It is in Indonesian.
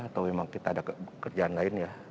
atau memang kita ada kerjaan lain ya